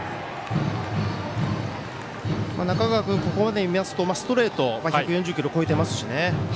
中川君、ここまで見ますとストレート、１４０キロ超えていますしね。